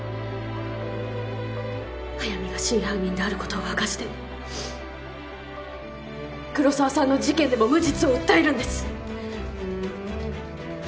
速水が真犯人であることを明かして黒澤さんの事件でも無実を訴えるんです。